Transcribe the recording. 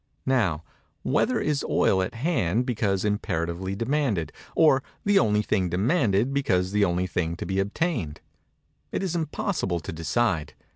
Now, whether is oil at hand because imperatively demanded, or the only thing demanded because the only thing to be obtained? It is impossible to decide.